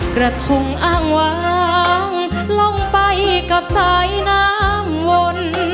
กระทงอ้างวางลงไปกับสายน้ำวน